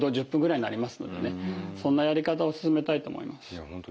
いや本当